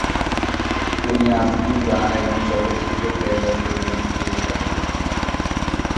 তিনি আধুনিক গান এবং চলচ্চিত্র প্লেব্যাক এর জন্য বিখ্যাত।